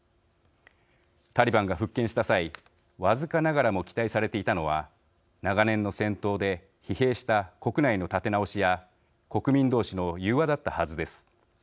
タリバンが復権した際僅かながらも期待されていたのは長年の戦闘で疲弊した国内の立て直しや国民同士の融和だったはずです。